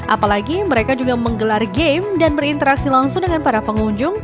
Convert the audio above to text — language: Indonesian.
apalagi mereka juga menggelar game dan berinteraksi langsung dengan para pengunjung